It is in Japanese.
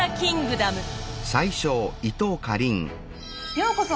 ようこそ！